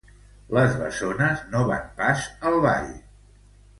Les bessones no van pas al ball.